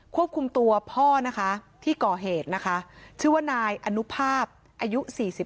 ควบคุมตัวพ่อที่ก่อเหตุชื่อว่านายอนุภาพอายุ๔๕